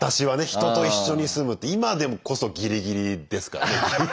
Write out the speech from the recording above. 人と一緒に住むって今でこそギリギリですからね。